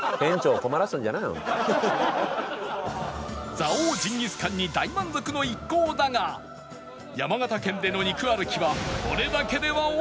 蔵王ジンギスカンに大満足の一行だが山形県での肉歩きは